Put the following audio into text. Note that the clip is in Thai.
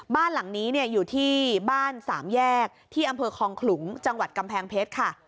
บ้านหลังนี้อยู่ที่บ้านสามแยกที่อำเภอคองขลุงจังหวัดกำแพงเพชรค่ะ